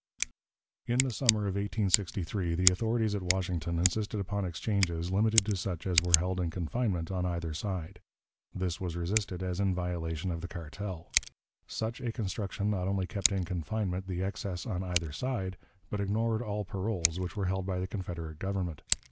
In the summer of 1863 the authorities at Washington insisted upon exchanges limited to such as were held in confinement on either side. This was resisted as in violation of the cartel. Such a construction not only kept in confinement the excess on either side, but ignored all paroles which were held by the Confederate Government.